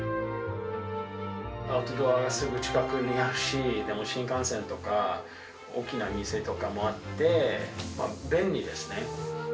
アウトドアがすぐ近くにあるし、新幹線とか、大きな店とかもあって、便利ですね。